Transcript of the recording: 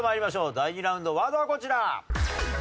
第２ラウンドワードはこちら。